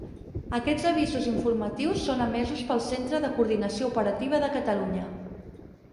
Aquests avisos informatius són emesos pel Centre de Coordinació Operativa de Catalunya.